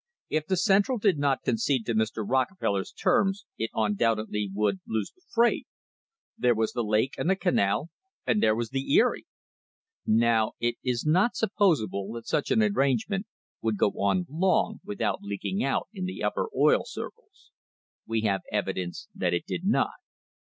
If the Central did not concede to Mr. Rockefeller's terms it undoubtedly would lose the freight. There was the lake and the canal and there was the Erie! Now it is not supposable that such an arrangement would go on long without leaking out in the upper oil circles. We have evidence that it did not.